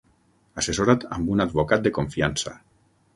Assessora't amb un advocat de confiança.